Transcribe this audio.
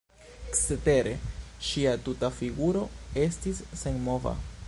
Cetere ŝia tuta figuro estis senmova.